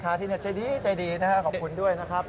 ที่นี่ใจดีใจดีนะครับขอบคุณด้วยนะครับ